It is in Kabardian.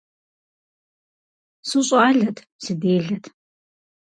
СыщӀалэт, сыделэт.